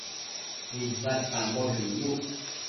Uinsadpamboshë icnuc